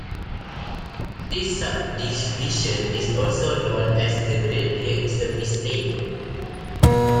This subdivision is also known as the Great Lakes Service Lane.